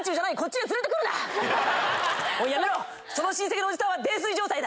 その親戚のおじさんは泥酔状態だ。